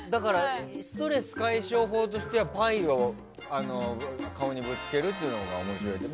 ストレス解消法としてはパイを顔にぶつけるというのは面白いって。